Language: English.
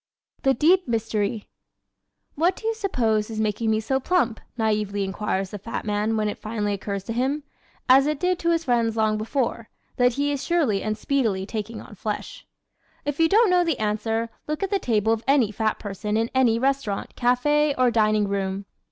The Deep Mystery ¶ "What do you suppose is making me so plump?" naively inquires the fat man when it finally occurs to him as it did to his friends long before that he is surely and speedily taking on flesh. If you don't know the answer, look at the table of any fat person in any restaurant, café or dining room.